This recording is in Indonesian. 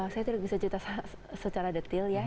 saya tidak bisa cerita secara detail ya